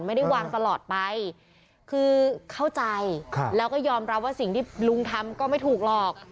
ไม่ได้วางตลอดไปคือเข้าใจแล้วก็ยอมรับว่าสิ่งที่ลุงทำก็ไม่ถูกหรอก